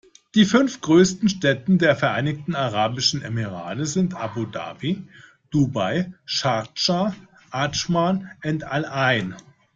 Die fünf großen Städte der Vereinigten Arabischen Emirate sind Abu Dhabi, Dubai, Schardscha, Adschman und Al-Ain.